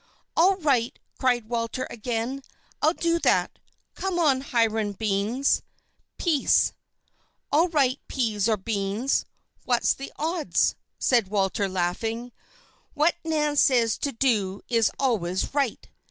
"All right!" cried Walter, again. "I'll do that. Come on, Hiram Beans " "Pease." "All right. Peas or Beans what's the odds?" said Walter, laughing. "What Nan says to do is always right."